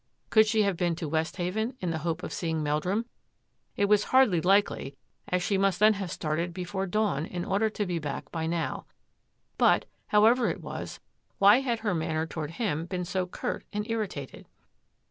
Could she have been to Westhaven in the hope of seeing Meldrum? It was hardly likely as she must then have started before dawn in order to be back by now. But, however it was, why had her manner toward him been so curt and irritated?